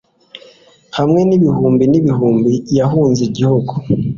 hamwe n'ibihumbi n'ibihumbi, yahunze igihugu